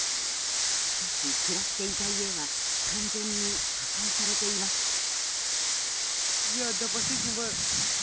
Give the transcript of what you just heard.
しかし、暮らしていた家は完全に破壊されていました。